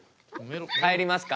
帰りますか？